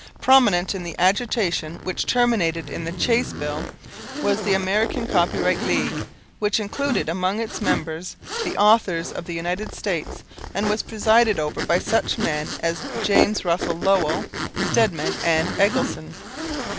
Prominent in the agitation which terminated in the Chace Bill was the American Copyright League, which included among its members the authors of the United States, and was presided over by such men as James Russell Lowell, Stedman, and Eggleston.